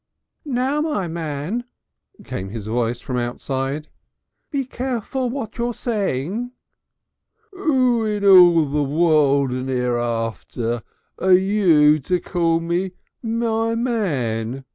"Now, my man," came his voice from outside, "be careful what you're saying " "Oo in all the World and Hereafter are you to call me, me man?"